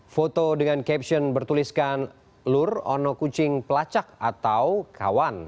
foto dengan caption bertuliskan lur ono kucing pelacak atau kawan